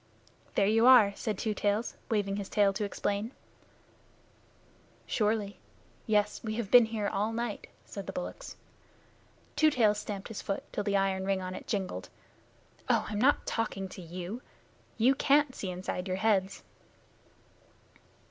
"There you are!" said Two Tails, waving his tail to explain. "Surely. Yes, we have been here all night," said the bullocks. Two Tails stamped his foot till the iron ring on it jingled. "Oh, I'm not talking to you. You can't see inside your heads."